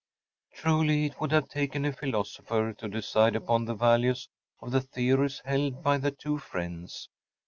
‚ÄĚ Truly it would have taken a philosopher to decide upon the values of the theories held by the two friends.